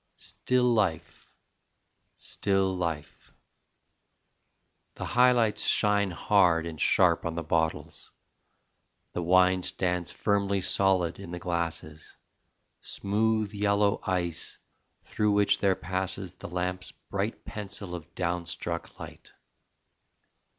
Still life, still life ... the high lights shine Hard and sharp on the bottles: the wine Stands firmly solid in the glasses, Smooth yellow ice, through which there passes The lamp's bright pencil of down struck light.